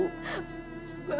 aku di mana bu